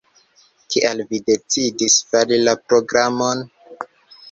Kial vi decidis fari la programon?